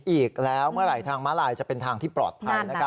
อีกแล้วเมื่อไหร่ทางม้าลายจะเป็นทางที่ปลอดภัยนะครับ